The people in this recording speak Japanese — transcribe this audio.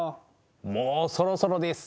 もうそろそろです。